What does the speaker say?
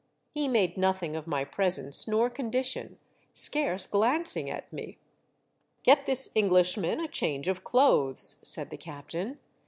He made nothing of my presence nor condition, scarce glancing at me. "Get this Englishman a change of clothes," said the captain.